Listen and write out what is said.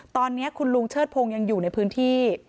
ตอนนี้คุณลุงเชิดพงศ์ยังอยู่ในพื้นที่